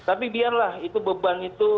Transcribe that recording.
tapi biarlah itu beban itu